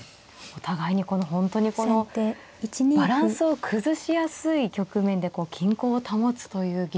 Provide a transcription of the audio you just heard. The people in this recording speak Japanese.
お互いに本当にこのバランスを崩しやすい局面でこう均衡を保つという技術が。